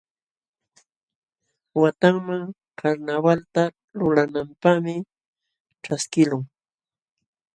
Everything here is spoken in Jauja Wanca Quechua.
Watanman karnawalta lulananpaqmi ćhaskiqlun.